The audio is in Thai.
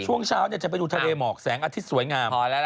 ช่วงเช้าจะไปดูทะเลหมอกแสงอาทิตย์สวยงาม